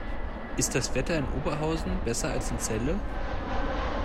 Ist das Wetter in Oberhausen besser als in Celle?